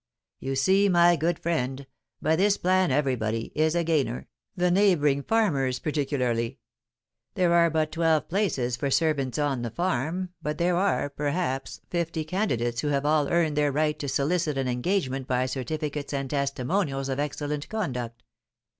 "You see, my good friend, by this plan everybody is a gainer, the neighbouring farmers particularly. There are but twelve places for servants on the farm, but there are, perhaps, fifty candidates who have all earned their right to solicit an engagement by certificates and testimonials of excellent conduct.